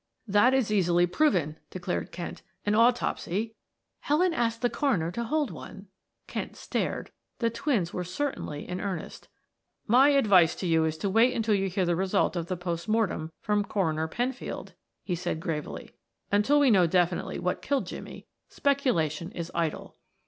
"That is easily proven," declared Kent. "An autopsy " "Helen asked the coroner to hold one." Kent stared the twins were certainly in earnest. "My advice to you is to wait until you hear the result of the post mortem from Coroner Penfield," he said gravely. "Until we know definitely what killed Jimmie, speculation is idle."